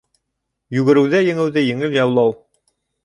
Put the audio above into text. Йүгереүҙә еңеүҙе еңел яулау